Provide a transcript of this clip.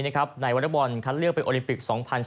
ในวันระบอลคัดเลือกเป็นโอลิมปิก๒๐๑๖